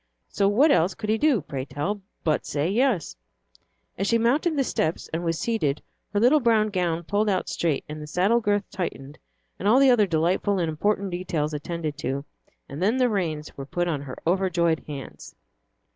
So what else could he do, pray tell, but say "Yes"? And she mounted the steps, and was seated, her little brown gown pulled out straight, and the saddle girth tightened, and all the other delightful and important details attended to, and then the reins were put in her overjoyed hands.